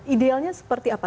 idealnya seperti apa